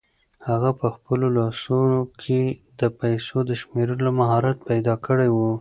هغه په خپلو لاسو کې د پیسو د شمېرلو مهارت پیدا کړی و.